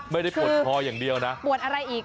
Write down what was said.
ไม่ได้ปวดคออย่างเดียวนะปวดอะไรอีก